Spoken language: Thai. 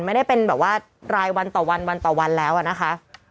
ไม่ได้เป็นแบบว่ารายวันต่อวันวันต่อวันแล้วอะนะคะ